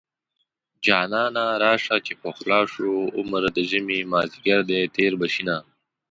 جانانه راشه چې پخلا شو عمر د ژمې مازديګر دی تېر به شينه